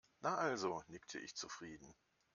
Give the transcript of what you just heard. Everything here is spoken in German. Na also, nickte ich zufrieden.